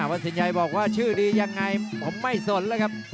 สินชัยบอกว่าชื่อดียังไงผมไม่สนแล้วครับ